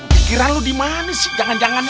pikiran lu dimana sih jangan jangan